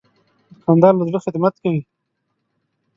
دوکاندار له زړه خدمت کوي.